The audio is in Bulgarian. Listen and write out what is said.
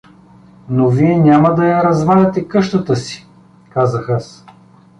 — Но вие няма да я разваляте къщата си? — казах аз.